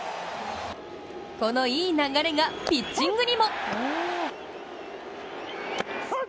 このいい流れが、ピッチングにも。